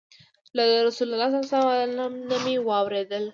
له رسول الله صلى الله عليه وسلم نه مي واورېدل